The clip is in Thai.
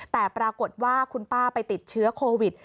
แต่ปรากฏว่าคุณป้าไปติดเชื้อโควิด